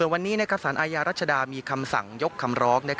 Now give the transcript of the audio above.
วันนี้ในคันสารอายรัจญามีคำสั่งยกคำร๊อง